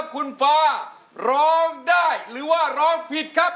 คุณฟ้าร้องได้หรือว่าร้องผิดครับ